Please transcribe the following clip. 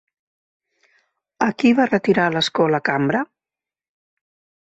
A qui va retirar l'escó la cambra?